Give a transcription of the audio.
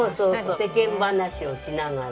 世間話をしながら。